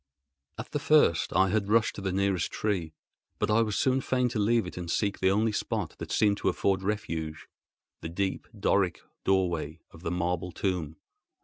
At the first I had rushed to the nearest tree; but I was soon fain to leave it and seek the only spot that seemed to afford refuge, the deep Doric doorway of the marble tomb.